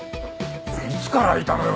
いつからいたのよ？